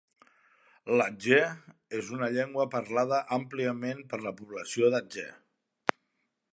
L'atjeh és una llengua parlada àmpliament per la població d'Atjeh.